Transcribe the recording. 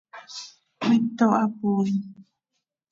¡Mito hapooin!